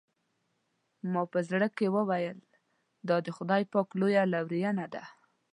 ما په زړه کې وویل دا د خدای پاک لویه لورېینه ده.